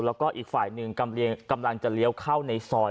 แล้วก็อีกฝ่ายหนึ่งกำลังจะเลี้ยวเข้าในซอย